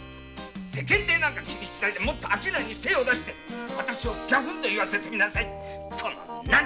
世間体を気にしないで商いに精を出して私をギャフンと言わせてみなさい。